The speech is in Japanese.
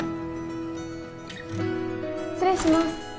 失礼します